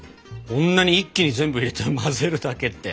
こんなに一気に全部入れて混ぜるだけって。